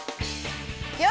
よし！